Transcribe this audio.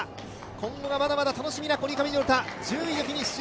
今後がまだまだ楽しみなコニカミノルタ、１０位でフィニッシュ。